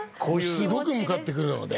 すごく向かってくるので。